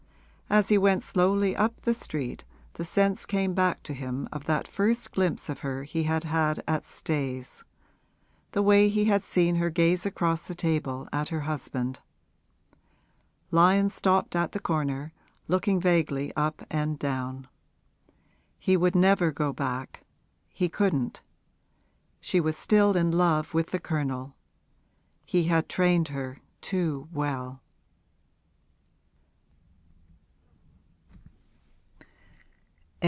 As he went slowly up the street the sense came back to him of that first glimpse of her he had had at Stayes the way he had seen her gaze across the table at her husband. Lyon stopped at the corner, looking vaguely up and down. He would never go back he couldn't. She was still in love with the Colonel he had trained her too well.